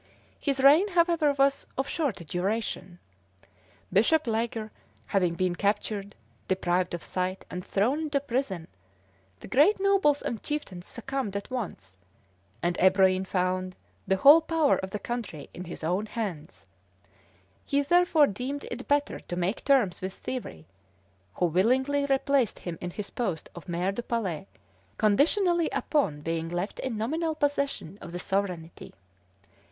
His reign, however, was of short duration. Bishop Leger having been captured, deprived of sight, and thrown into prison, the great nobles and chieftains succumbed at once, and Ebroin found the whole power of the country in his own hands; he, therefore, deemed it better to make terms with Thierry, who willingly replaced him in his post of Maire du Palais, conditionally upon being left in nominal possession of the sovereignty.